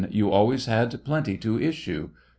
You always had plenty to issce